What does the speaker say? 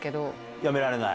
やめられない？